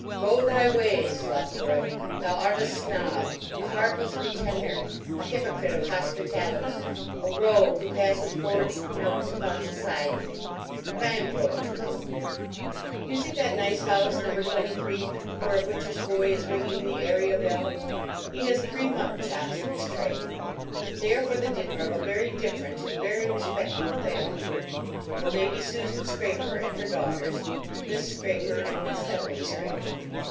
Go thy ways, Loughcorrib, thou art a Snob, a heartless pretender, a hypocrite of hospitality; a rogue who passes forged notes upon society; but I am growing too eloquent. You see that nice house, No. 23, where a butcher's boy is ringing the area bell. He has three muttonchops in his tray. They are for the dinner of a very different and very respectable family; for Lady Susan Scraper, and her daughters, Miss Scraper and Miss Emily Scraper.